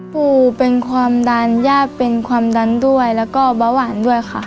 ปูเป็นความดันย่าเป็นความดันด้วยแล้วก็เบาหวานด้วยค่ะ